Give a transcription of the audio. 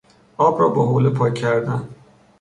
آب را با حوله پاک کردن